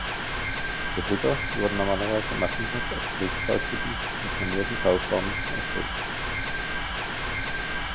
Die Höcker wurden normalerweise massenhaft als Regelbau-Typen mit normierten Bauformen erstellt.